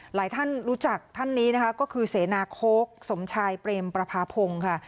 หลายท่านรู้จักท่านนี้นะคะก็คือเสนาโค้กสมชายเปรมประพาพงศ์ค่ะ